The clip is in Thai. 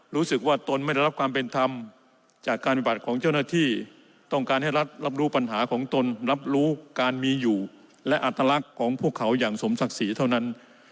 ตนไม่ได้รับความเป็นธรรมจากการปฏิบัติของเจ้าหน้าที่ต้องการให้รัฐรับรู้ปัญหาของตนรับรู้การมีอยู่และอัตลักษณ์ของพวกเขาอย่างสมศักดิ์ศรีเท่านั้น